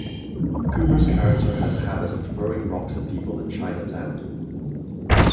Cooper's character has a habit of throwing rocks at people in Chinatown.